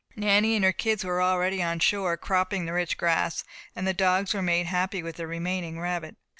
Nanny and her kids were already on shore, cropping the rich grass, and the dogs were made happy with the remaining rabbit.